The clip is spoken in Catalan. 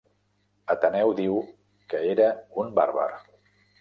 Ateneu diu que era un bàrbar.